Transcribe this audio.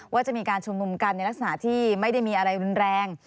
ว่าจะมีการชุมนุมกันในลักษณะที่ไม่ได้มีอะไรรุนแรง